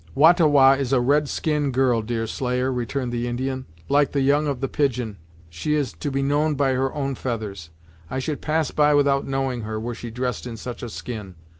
"Wah ta Wah is a red skin girl, Deerslayer," returned the Indian, "like the young of the pigeon, she is to be known by her own feathers. I should pass by without knowing her, were she dressed in such a skin.